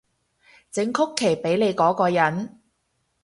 整曲奇畀你嗰個人